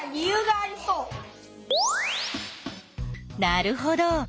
なるほど。